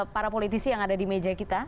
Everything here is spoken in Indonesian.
para politisi yang ada di meja kita